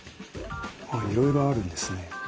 あっいろいろあるんですね。